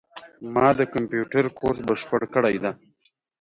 ما د کامپیوټر کورس بشپړ کړی ده